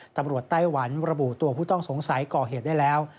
ไต้หวันระบุตัวผู้ต้องสงสัยก่อเหตุได้แล้ว